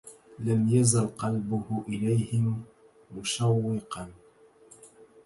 لم يزل قلبه إليهم مشوقا